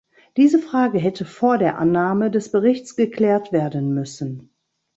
Diese Frage hätte vor der Annahme des Berichts geklärt werden müssen.